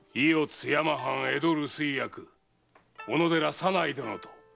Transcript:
津山藩・江戸留守居役小野寺左内殿と長女・美芳殿だ。